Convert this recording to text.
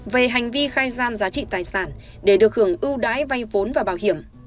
về hành vi khai gian giá trị tài sản để được hưởng ưu đãi vay vốn và bảo hiểm